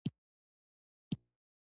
مجاهد د خپل رب رضا ته چمتو وي.